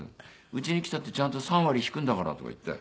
「うちに来たってちゃんと３割引くんだから」とか言って。